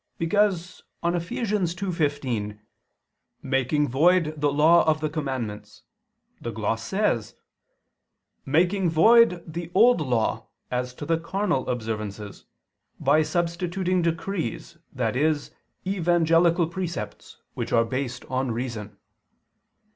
Because on Eph. 2:15, "Making void the law of the commandments," the gloss says, (i.e.) "making void the Old Law as to the carnal observances, by substituting decrees, i.e. evangelical precepts, which are based on reason."